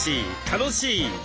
楽しい！